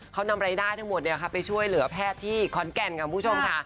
เขานำรายได้ทั้งหมดไปช่วยเหลือแพทย์ที่ขอนแก่นค่ะคุณผู้ชมค่ะ